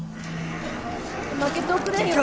まけておくれよ。